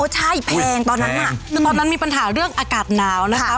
ใช่แพงตอนนั้นน่ะคือตอนนั้นมีปัญหาเรื่องอากาศหนาวนะคะ